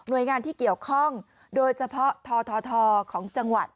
โดยงานที่เกี่ยวข้องโดยเฉพาะททของจังหวัด